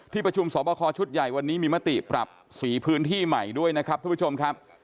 ประชุมสอบคอชุดใหญ่วันนี้มีมติปรับสีพื้นที่ใหม่ด้วยนะครับทุกผู้ชมครับ